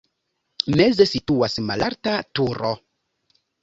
Meze situas malalta turo.